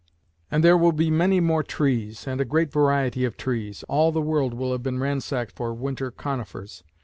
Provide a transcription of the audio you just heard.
And there will be many more trees, and a great variety of trees all the world will have been ransacked for winter conifers.